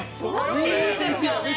いいですよね！